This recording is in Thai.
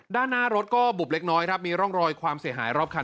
ด้านหน้ารถก็บุบเล็กน้อยครับมีร่องรอยความเสียหายรอบคัน